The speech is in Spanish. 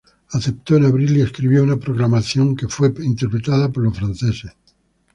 Aceptó en abril y escribió una proclamación que fue interceptada por los franceses.